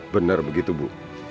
benar begitu bu